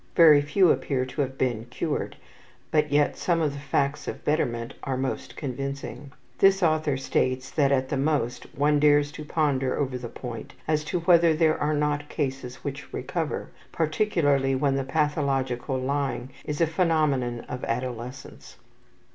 Very few appear to have been cured, but yet some of the facts of betterment are most convincing. This author states that, at the most, one dares to ponder over the point as to whether there are not cases which recover, particularly when the pathological lying is a phenomenon of adolescence.